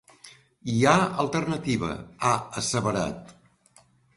“Hi ha alternativa”, ha asseverat.